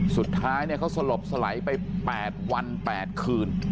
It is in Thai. สุดท้ายเนี่ยเค้าสลบสลัยไปแปดวันแปดคืน